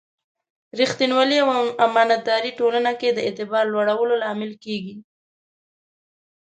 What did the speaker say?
ریښتینولي او امانتداري ټولنې کې د اعتبار لوړولو لامل کېږي.